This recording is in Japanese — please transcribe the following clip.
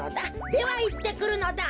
ではいってくるのだ。